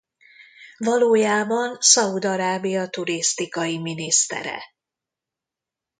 Valójában Szaúd-Arábia turisztikai minisztere.